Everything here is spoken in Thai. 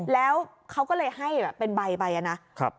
แล้วเขาก็เลยให้แบบเป็นใบไปนะ